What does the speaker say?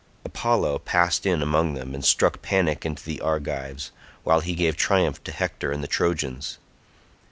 Apollo passed in among them, and struck panic into the Argives, while he gave triumph to Hector and the Trojans.